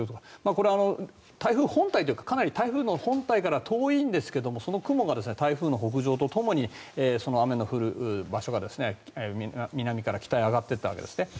これは台風本体というかかなり台風の本体から遠いんですがその雲が台風の北上とともに雨の降る場所が南から北へ上がっていったわけですね。